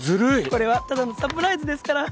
これはただのサプライズですから。